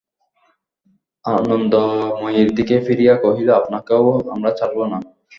আনন্দময়ীর দিকে ফিরিয়া কহিল, আপনাকেও আমরা ছাড়ব না।